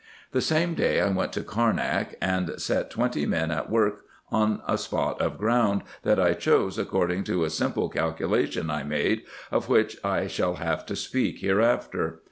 The same day I went to Carnak, and set twenty men at work on a spot of ground, that I chose according to a simple calculation I made, of which I shall have to speak hereafter.